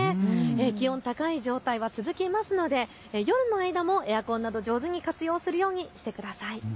気温高い状態は続くので夜の間もエアコンなど上手に活用するようにしてください。